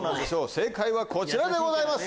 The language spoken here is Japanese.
正解はこちらでございます。